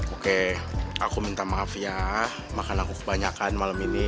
oke aku minta maaf ya makan aku kebanyakan malam ini